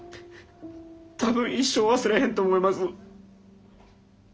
多分一生忘れへんと思います。